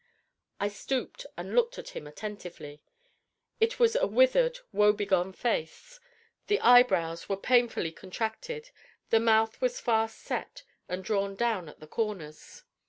I stooped and looked at him attentively. It was a withered, woe begone face. The eyebrows were painfully contracted; the mouth was fast set, and drawn down at the corners.